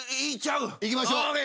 いきましょう。